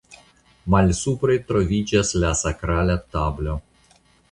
Malsupre troviĝas la sakrala tablo.